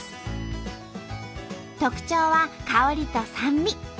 特徴は香りと酸味。